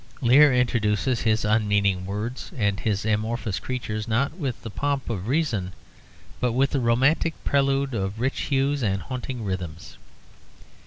Lear introduces his unmeaning words and his amorphous creatures not with the pomp of reason, but with the romantic prelude of rich hues and haunting rhythms.